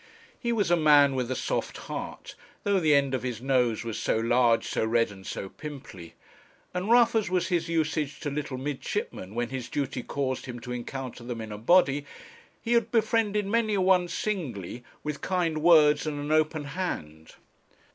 He was a man with a soft heart, though the end of his nose was so large, so red, and so pimply; and rough as was his usage to little midshipmen when his duty caused him to encounter them in a body, he had befriended many a one singly with kind words and an open hand.